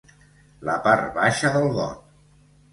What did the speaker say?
La part baixa del got.